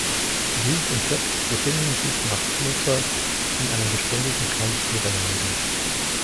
Bild und Text befinden sich nach Flusser in einem beständigen Kampf miteinander.